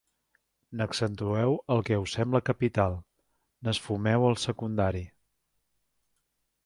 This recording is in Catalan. N'accentueu el què us sembla capital, n'esfumeu el secundari